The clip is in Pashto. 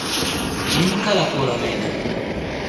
نيمکله کورنۍ ده.